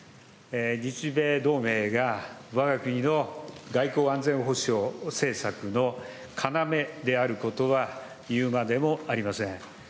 日米同盟がわが国の外交・安全保障政策の要であることは言うまでもありません。